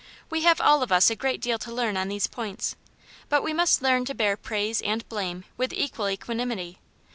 We have all of us a great deal to learn on these points, but we must learn to bear praise and blame with equal equanimity.